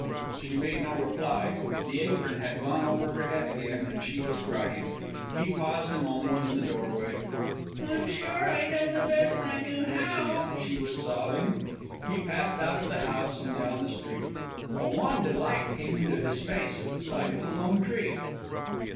She made no reply. The apron had gone over her head again, and she was crying. He paused a moment in the doorway. "I'm sure I done the best I knew how," she was sobbing. He passed out of the house and down the street. A wan delight came into his face at the sight of the lone tree.